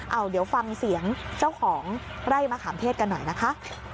เอาเดี๋ยวฟังเสียงเจ้าของไร่มะขามเทศกันหน่อยนะคะ